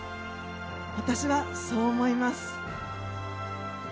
私は、そう思います。